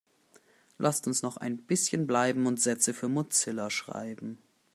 Lasst uns noch ein bisschen bleiben und Sätze für Mozilla schreiben.